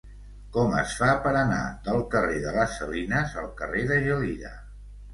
Com es fa per anar del carrer de les Salines al carrer de Gelida?